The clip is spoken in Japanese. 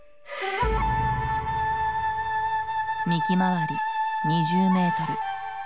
幹回り２０メートル。